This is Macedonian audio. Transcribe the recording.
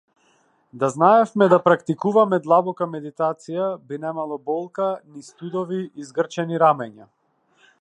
Да знаевме да практикуваме длабока медитација, би немало болка, ни студови и згрчени рамења.